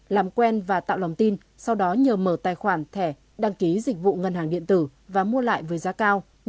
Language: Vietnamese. làm quen và tạo lòng tin sau đó nhờ mở tài khoản thẻ đăng ký dịch vụ ngân hàng điện tử và mua lại với giá cao